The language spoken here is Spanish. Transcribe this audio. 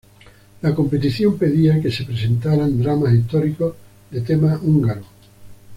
La competición pedía que se presentaran dramas históricos de tema húngaro.